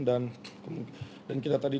dan kita terima kasih karena